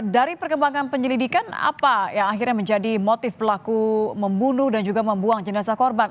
dari perkembangan penyelidikan apa yang akhirnya menjadi motif pelaku membunuh dan juga membuang jenazah korban